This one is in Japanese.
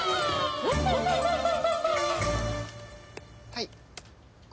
はい。